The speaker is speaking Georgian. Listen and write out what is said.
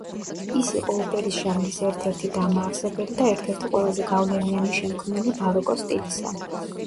ის იყო ოპერის ჟანრის ერთ-ერთი დამაარსებელი და ერთ-ერთი ყველაზე გავლენიანი შემქმნელი ბაროკოს სტილისა.